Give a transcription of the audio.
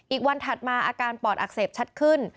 อีกวันถัดมาอาการปอดอักเสบชัดขึ้น